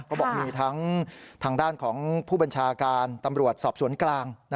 ก็บอกมีทั้งทางด้านของผู้บัญชาการตำรวจสอบสวนกลาง